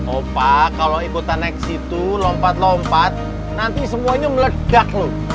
opa kalau ikutan naik situ lompat lompat nanti semuanya meledak loh